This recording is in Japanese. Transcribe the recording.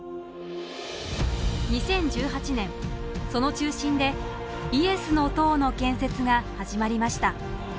２０１８年その中心でイエスの塔の建設が始まりました。